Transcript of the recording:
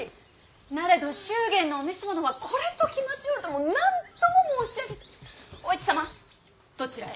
なれど祝言のお召し物はこれと決まっておるともう何度も申し上げてお市様どちらへ？